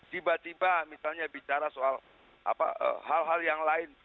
tiba tiba misalnya bicara soal hal hal yang lain